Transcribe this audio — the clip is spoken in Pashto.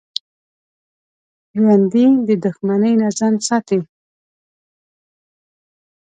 ژوندي د دښمنۍ نه ځان ساتي